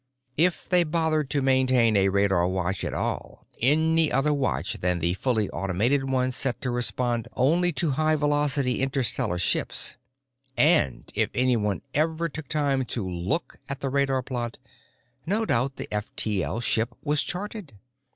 If they bothered to maintain a radar watch at all—any other watch than the fully automatic one set to respond only to highvelocity interstellar ships—and if anyone ever took time to look at the radar plot, no doubt the F T L ship was charted.